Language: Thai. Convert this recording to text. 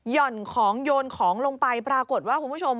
่อนของโยนของลงไปปรากฏว่าคุณผู้ชม